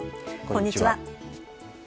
こんにちは。